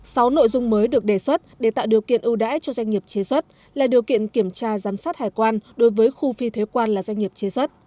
sáu nội dung mới được đề xuất để tạo điều kiện ưu đãi cho doanh nghiệp chế xuất là điều kiện kiểm tra giám sát hải quan đối với khu phi thuế quan là doanh nghiệp chế xuất